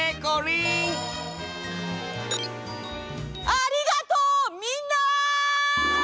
ありがとうみんな！